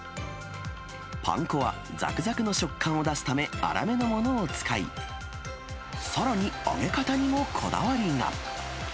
パン粉はざくざくの食感を出すため、粗めのものを使い、さらに揚げ方にもこだわりが。